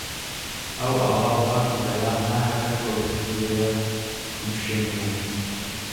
ew ava pak û zelal naherike ku bigihîje nifşên nû